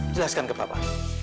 jelaskan ke pa pa